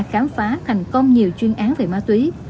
khám phá thành công nhiều chuyên án về ma túy